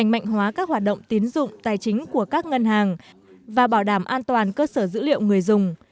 mạnh hóa các hoạt động tín dụng tài chính của các ngân hàng và bảo đảm an toàn cơ sở dữ liệu người dùng